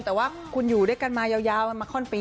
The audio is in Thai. แต่ว่าคุณอยู่ด้วยกันมายาวกันมาข้อนปี